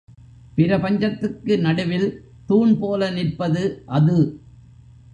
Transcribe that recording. பிரபஞ்சத்துக்கு நடுவில் தூண் போல நிற்பது அது.